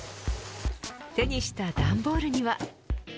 手にした段ボールには。